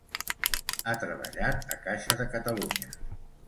Ha treballat a Caixa de Catalunya.